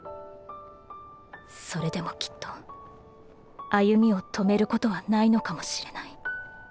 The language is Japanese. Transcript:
それでもきっと歩みを止めることはないのかもしれない。